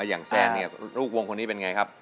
อย่างแซ่เนี่ยลูกวงคนนี้เป็นไงครับ